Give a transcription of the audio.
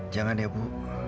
jangan ya bu